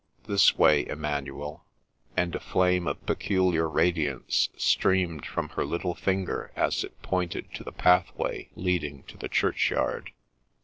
' This way, Emmanuel !' and a Same of peculiar radiance streamed from her little finger as it pointed to the pathway leading to the churchyard.